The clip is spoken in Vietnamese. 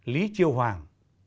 lý chiêu hoàng